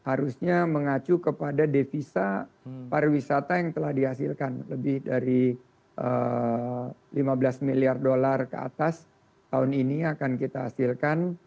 harusnya mengacu kepada devisa pariwisata yang telah dihasilkan lebih dari lima belas miliar dolar ke atas tahun ini akan kita hasilkan